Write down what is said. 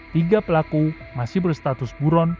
tiga pelaku masih berstatus buron